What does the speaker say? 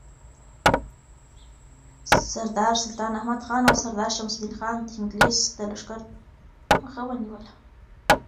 سردار سلطان احمدخان او سردار شمس الدین خان د انگلیس د لښکر مخه نیوله.